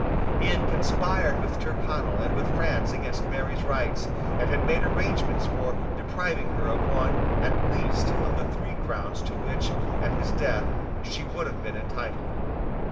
He had conspired with Tyrconnel and with France against Mary's rights, and had made arrangements for depriving her of one at least of the three crowns to which, at his death, she would have been entitled.